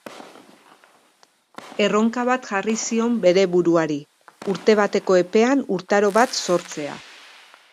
Erronka bat jarri zion bere buruari, urte bateko epean urtaro bat sortzea.